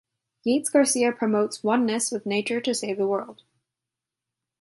Yates Garcia promotes oneness with nature to save the world.